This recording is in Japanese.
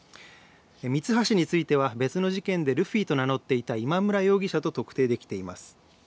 ミツハシについては別の事件でルフィと名乗っていた今村容疑者と特定できています。